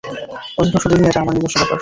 অধিকাংশ দিনই এটা আমার নিজস্ব ব্যাপার।